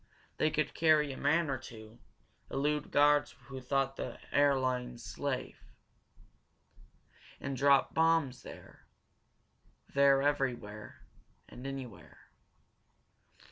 They could carry a man or two, elude guards who thought the air lanes safe, and drop bombs here, there everywhere and anywhere.